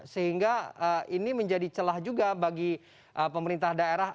sehingga ini menjadi celah juga bagi pemerintah daerah